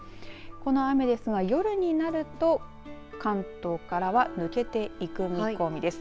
この雨ですが夜になると関東からは抜けていく見込みです。